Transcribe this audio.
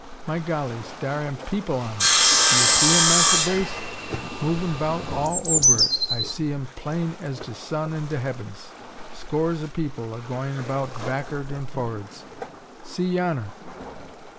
"My gollies! dar am people on it! D'you see um, Massa Brace? movin' 'bout all ober it I see 'um plain as de sun in de hebbens! Scores o' people a'gwine about back'ard an' forrads. See yonner!"